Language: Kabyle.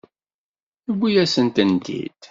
Tewwi-yasen-tent-id.